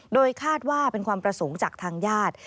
โดยคาดว่าเป็นความประสงค์จากทางญาติ